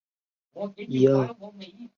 职场体验参访